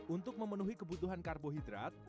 untuk memenuhi kebutuhan karbohidrat